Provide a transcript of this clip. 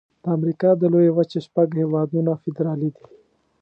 د امریکا د لویې وچې شپږ هيوادونه فدرالي دي.